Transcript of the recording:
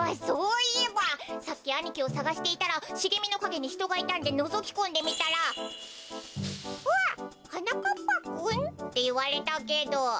そういえばさっきあにきをさがしていたらしげみのかげにひとがいたんでのぞきこんでみたら「わっはなかっぱくん？」っていわれたけど。